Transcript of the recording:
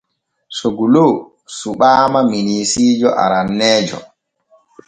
Soglo suɓaama minisiijo aranneejo.